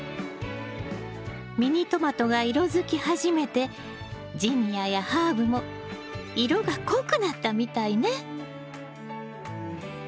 ミニトマトが色づき始めてジニアやハーブも色が濃くなったみたいね。